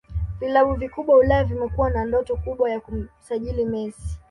Vilabu vikubwa Ulaya vimekuwa na ndoto kubwa ya kumsajili Messi